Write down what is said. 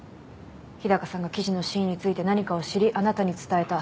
日高さんが記事の真意について何かを知りあなたに伝えた。